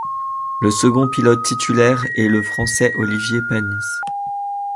Le second pilote titulaire est le Français Olivier Panis.